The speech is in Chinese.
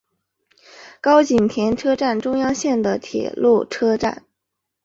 高井田车站中央线的铁路车站。